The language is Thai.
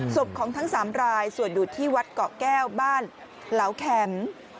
ศพของทั้ง๓รายสวดอยู่ที่วัดเกาะแก้วบ้านเหลาแคมป์